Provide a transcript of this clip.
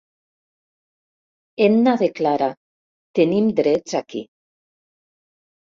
Edna declara, tenim drets aquí.